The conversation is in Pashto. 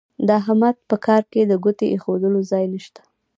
د احمد په کار کې د ګوتې اېښولو ځای نه شته.